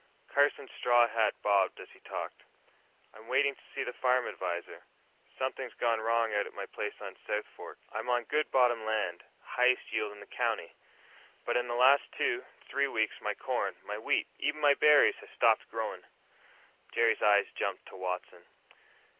Carson's straw hat bobbed as he talked. "I'm waitin' to see the farm adviser. Somethin's gone wrong out at my place on the South Fork. I'm on good bottom land highest yield in the county. But in the last two, three weeks my corn, my wheat, even my berries has stopped growin'!" Jerry's eyes jumped to Watson.